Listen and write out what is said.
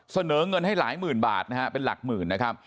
เสนอเงินให้หลายหมื่นบาทนะฮะเป็นหลักหมื่นนะครับ